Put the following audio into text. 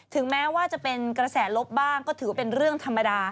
แม้ว่าจะเป็นกระแสลบบ้างก็ถือว่าเป็นเรื่องธรรมดา